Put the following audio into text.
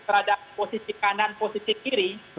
berada di posisi kanan posisi kiri